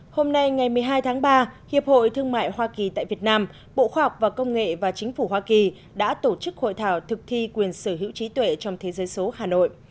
hôm nay ngày một mươi hai tháng ba hiệp hội thương mại hoa kỳ tại việt nam bộ khoa học và công nghệ và chính phủ hoa kỳ đã tổ chức hội thảo thực thi quyền sở hữu trí tuệ trong thế giới số hà nội